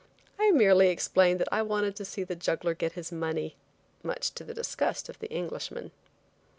I merely explained that I wanted to see the juggler get his money, much to the disgust of the Englishman.